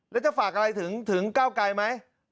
แล้วจะฝากอะไรถึงเก้าไกรไหม